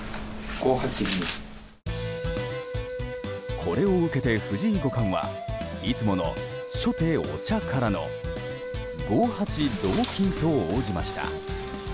これを受けて藤井五冠はいつもの初手お茶からの５八同金と応じました。